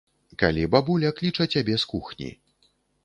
Калі бабуля кліча цябе з кухні.